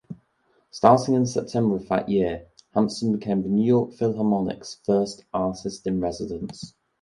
Starting in September of that year, Hampson became the New York Philharmonic's first Artist-in-Residence.